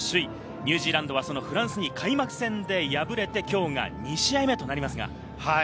ニュージーランドはフランスに開幕戦で敗れて、きょうが２試合目となります。